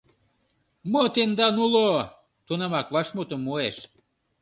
Мо тендан уло? — тунамак вашмутым муэш.